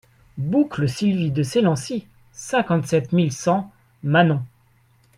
Boucle Sylvie de Selancy, cinquante-sept mille cent Manom